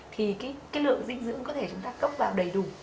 thì cái lượng dinh dưỡng có thể chúng ta cốc vào đầy đủ